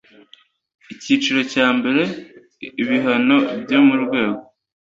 icyiciro cya mbere ibihano byo mu rwego